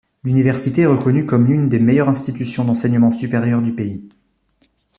L'université est reconnue comme l'une des meilleures institutions d'enseignement supérieur du pays.